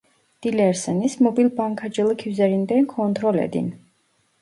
Dilerseniz mobil bankacılık üzerinden kontrol edin